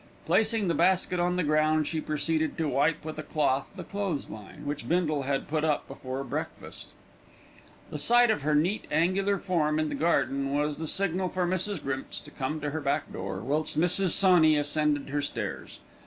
Placing the basket on the ground, she proceeded to wipe with a cloth the clothes line, which Bindle had put up before breakfast. The sight of her neat, angular form in the garden was the signal for Mrs. Grimps to come to her back door, whilst Mrs. Sawney ascended her stairs.